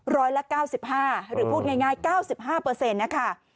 ร้อยละ๙๕หรือพูดง่าย๙๕เปอร์เซ็นต์นะค่ะ